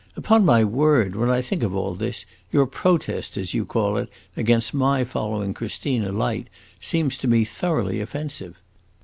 Upon my word, when I think of all this, your protest, as you call it, against my following Christina Light seems to me thoroughly offensive.